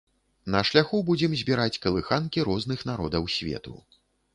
На шляху будзем збіраць калыханкі розных народаў свету.